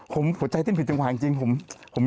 ผมหัวใจติ้นผิดจังหวังจริงเหนื่อย